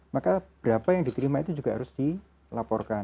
maka berapa yang diterima itu juga harus dilaporkan